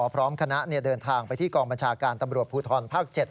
พร้อมคณะเดินทางไปที่กองบัญชาการตำรวจภูทรภาค๗